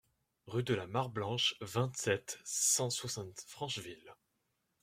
Rue de la Mare Blanche, vingt-sept, cent soixante Francheville